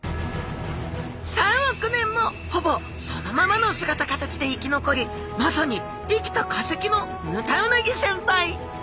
３億年もほぼそのままの姿形で生き残りまさに生きた化石のヌタウナギ先輩！